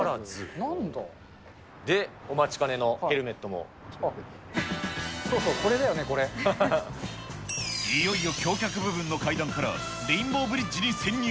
で、お待ちかねのヘルメットそうそう、これだよね、いよいよ橋脚部分の階段から、レインボーブリッジに潜入。